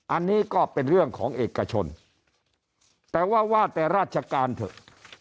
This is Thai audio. อันนี้ก็เป็นเรื่องของเอกชนแต่ว่าว่าแต่ราชการเถอะ